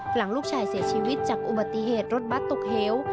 หลังลูกชายเสียชีวิตจากอุบัติเหตุรถบัตรตกเหว